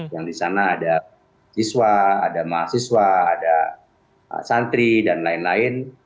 yang di sana ada siswa ada mahasiswa ada santri dan lain lain